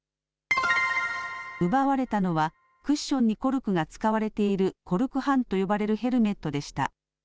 奪われたのはクッションにコルクが使われているコルク半と呼ばれるヘルメットでした。